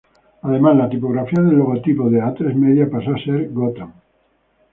Además, la tipografía del logotipo de Atresmedia pasó a ser Gotham.